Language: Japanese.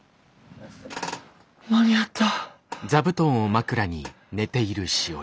間に合った。